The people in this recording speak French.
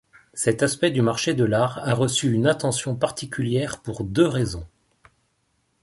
Cet aspect du marché de l'art a reçu une attention particulière pour deux raisons.